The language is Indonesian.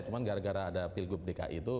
cuma gara gara ada pilgub dki itu